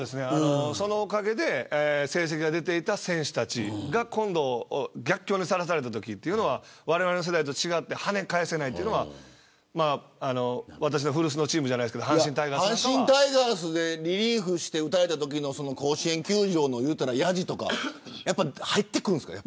そのおかげで成績が出ていた選手たちが今度、逆境にさらされたときわれわれの世代と違ってはね返せないというのは私の古巣のチームじゃないですけれど阪神タイガースでリリーフして打たれたときのやじとか入ってくるんですか。